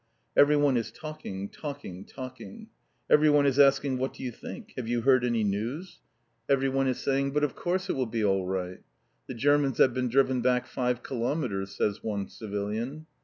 Everyone is talking, talking, talking. Everyone is asking, "What do you think? Have you heard any news?" Everyone is saying, "But of course it will be all right!" "The Germans have been driven back five kilometres," says one civilian.